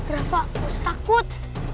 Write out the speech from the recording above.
rafa usah takut